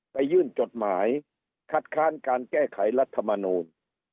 ยื่นจดหมายคัดค้านการแก้ไขรัฐมนูล